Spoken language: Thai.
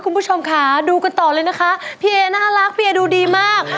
คุณผู้ชมค่ะดูกันต่อเลยนะคะพี่เอน่ารักพี่เอดูดีมาก